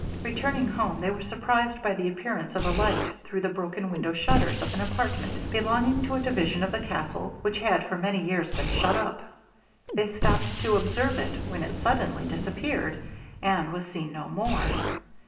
Returning home, they were surprised by the appearance of a light through the broken window shutters of an apartment, belonging to a division of the castle which had for many years been shut up. They stopped to observe it, when it suddenly disappeared, and was seen no more.